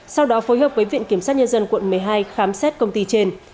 sau đó phối hợp với viện kiểm sát nhân dân quận một mươi hai khám xét công ty trên